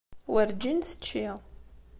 Werǧin tečči.